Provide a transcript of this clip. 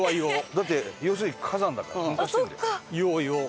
だって要するに火山だから噴火してるんだよ。